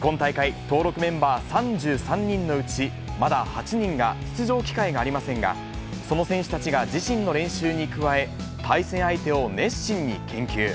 今大会、登録メンバー３３人のうち、まだ８人が、出場機会がありませんが、その選手たちが自身の練習に加え、対戦相手を熱心に研究。